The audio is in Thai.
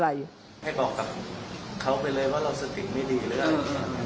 อะไรให้บอกกับเขาไปเลยว่าเราสติไม่ดีหรืออะไร